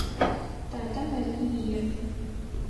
Татэ мэлий иӏ.